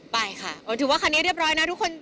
ไปค่ะถือว่าคันนี้เรียบร้อยนะทุกคน